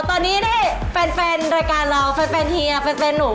ตอนนี้ได้แฟนรายการเราแฟนเฮียแฟนหนู